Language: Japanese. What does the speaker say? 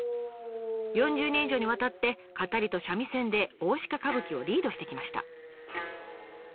４０年以上にわたって語りと三味線で大鹿歌舞伎をリードしてきました。